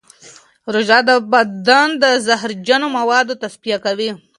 روژه د بدن د زهرجنو موادو تصفیه کوي.